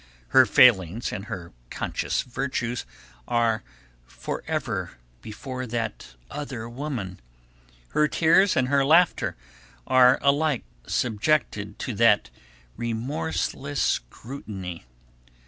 Her failings and her conscious virtues are forever before that other woman. Her tears and her laughter are alike subjected to that remorseless scrutiny.